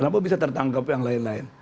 kenapa bisa tertangkap yang lain lain